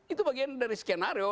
itu bagian dari skenario